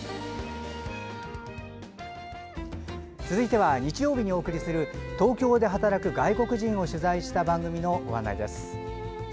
続いては、日曜日にお送りする東京で働く外国人を取材した番組のご案内です。